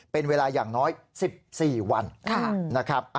เป็นเวลาอย่างน้อย๑๔วันนะครับ